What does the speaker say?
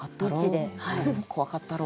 怖かったろう。